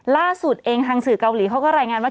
ล่าสุดเองทางสื่อเกาหลีเขาก็รายงานว่า